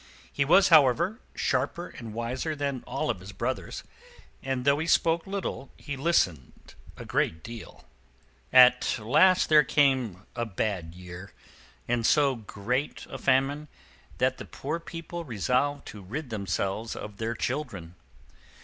He was, however, sharper and wiser than all his brothers, and though he spoke little, he listened a great deal. At last there came a bad year, and so great a famine, that the poor people resolved to rid themselves of their children.